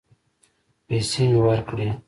پيسې مې ورکړې.